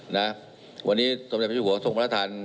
นะวันนี้สมศิษย์ประชุมหัวทรงวัฒนธรรม